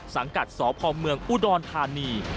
กับสพเมืองอุดรธานี